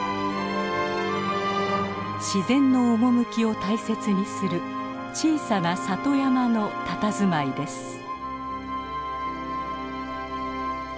自然の趣を大切にする小さな里山のたたずまいです。